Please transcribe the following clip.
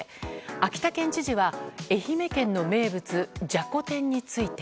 秋田県知事は愛媛県の名物じゃこ天について。